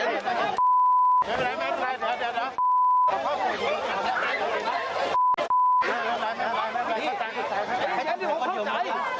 ขืนมาตรงนี้ก็ได้